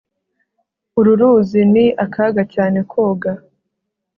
uru ruzi ni akaga cyane koga